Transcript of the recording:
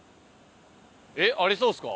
えっ？ありそうですか？